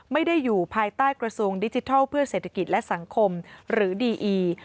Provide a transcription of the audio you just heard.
ไม่ได้อยู่ภายใต้กระทรวงดิจิทัลเพื่อเศรษฐกิจและสังคมหรือดีอี